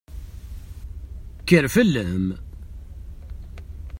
Kker fell-am!